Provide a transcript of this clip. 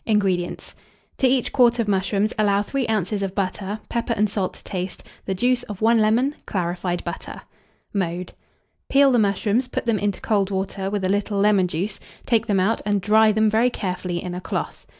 INGREDIENTS. To each quart of mushrooms, allow 3 oz. of butter, pepper and salt to taste, the juice of 1 lemon, clarified butter. Mode. Peel the mushrooms, put them into cold water, with a little lemon juice; take them out and dry them very carefully in a cloth.